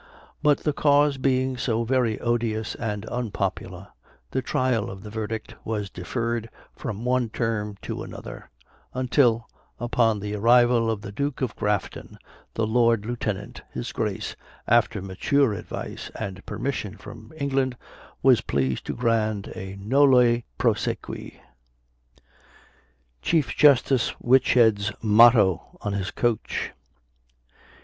But the cause being so very odious and unpopular, the trial of the verdict was deferred from one term to another, until, upon the arrival of the Duke of Grafton, the Lord Lieutenant, his Grace, after mature advice and permission from England, was pleased to grant a nolle prosequi." CHIEF JUSTICE WHITSHED'S MOTTO ON HIS COACH.